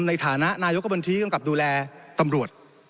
ในฐานะนายกบัญชีกำกับดูแลตำรวจ